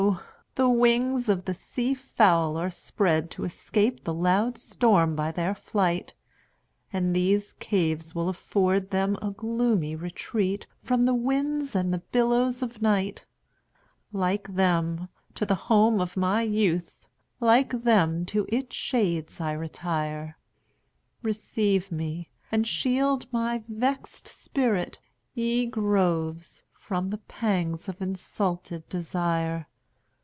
the wings of the sea fowl are spreadTo escape the loud storm by their flight; And these caves will afford them a gloomy retreatFrom the winds and the billows of night; Like them, to the home of my youth, Like them, to its shades I retire; Receive me, and shield my vexed spirit, ye groves, From the pangs of insulted desire!